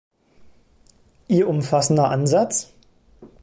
Ihr umfassender Ansatz?